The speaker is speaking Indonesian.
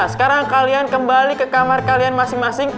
sekarang kalian kembali ke kamar kalian masing masing